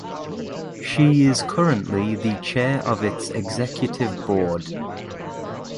She is currently the chair of its executive board.